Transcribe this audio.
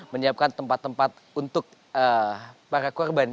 menyiapkan tempat tempat untuk para korban